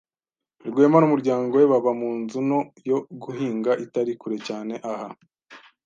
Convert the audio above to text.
Rwema n'umuryango we baba mu nzu nto yo guhinga itari kure cyane aha.